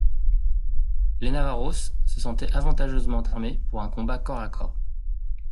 Les Navajoès se sentaient avantageusement armés pour un combat corps à corps.